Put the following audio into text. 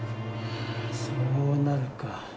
そうなるか。